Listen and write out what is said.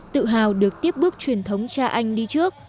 tự hào được tiếp bước truyền thống cha anh đi trước